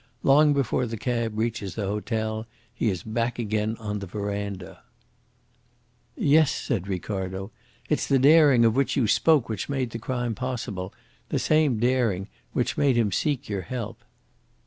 Long before the cab reaches the hotel he is back again on the verandah." "Yes," said Ricardo, "it's the daring of which you spoke which made the crime possible the same daring which made him seek your help.